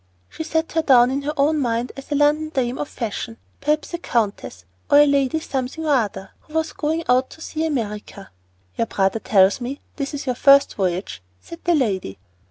She set her down in her own mind as a London dame of fashion, perhaps a countess, or a Lady Something or other, who was going out to see America. "Your brother tells me this is your first voyage," said the lady.